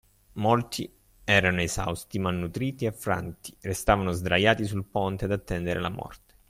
Molti erano esausti, malnutriti e affranti: restavano sdraiati sul ponte ad attendere la morte.